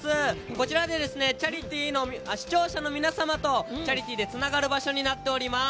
こちらで、視聴者の皆さんとチャリティーでつながる場所になっております。